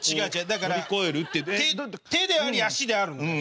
だから手であり足であるの。